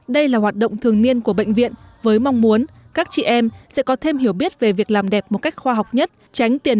đây là hoạt động thường niên của bệnh viện với mong muốn các chị em sẽ có thêm hiểu biết về việc làm đẹp một cách khoa học nhất tránh tiền